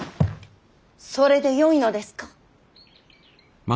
それでよいのですか。